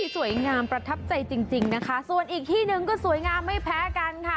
สวยงามประทับใจจริงนะคะส่วนอีกที่หนึ่งก็สวยงามไม่แพ้กันค่ะ